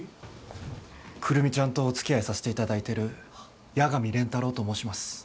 久留美ちゃんとおつきあいさせていただいてる八神蓮太郎と申します。